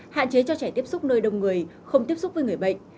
hạn chế cho trẻ tiếp xúc nơi đông người không tiếp xúc với người bệnh